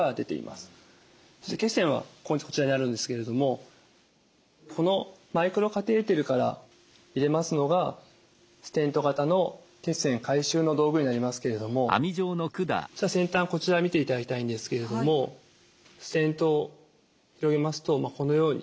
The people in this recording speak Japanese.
そして血栓はこちらになるんですけれどもこのマイクロカテーテルから入れますのがステント型の血栓回収の道具になりますけれども先端こちら見ていただきたいんですけれどもステントを広げますとこのように。